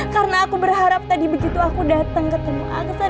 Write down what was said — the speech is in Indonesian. karena aku berharap tadi begitu aku datang ketemu aksan